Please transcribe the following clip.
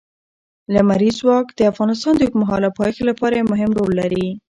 لمریز ځواک د افغانستان د اوږدمهاله پایښت لپاره یو مهم رول لري.